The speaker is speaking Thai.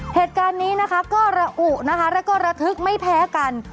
เหตุการณ์นี้นะคะก็ระอุนะคะแล้วก็ระทึกไม่แพ้กัน